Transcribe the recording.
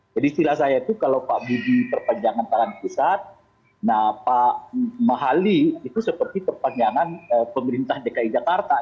jadi istilah saya itu kalau pak budi terpanjangan tangan pusat pak mahali itu seperti terpanjangan pemerintah dki jakarta